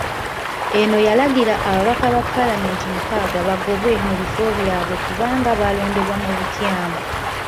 Eno yalagira ababaka ba Paalamenti mukaaga bagobwe mu bifo byabwe kubanga baalondebwa mu bukyamu.